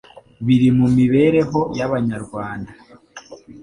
Biri mu mibereho y'Abanyarwanda.